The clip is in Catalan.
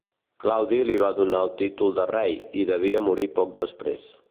Claudi li va donar el títol de rei, i devia morir poc després.